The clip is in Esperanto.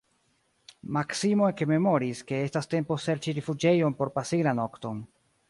Maksimo ekmemoris, ke estas tempo serĉi rifuĝejon por pasigi la nokton.